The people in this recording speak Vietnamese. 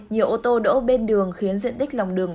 nhiều ô tô đỗ bên đường khiến diện tích lòng đường